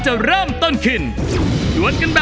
เชิญเลยค่ะสวัสดีค่ะ